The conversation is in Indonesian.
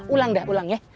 ulang dah ulang ya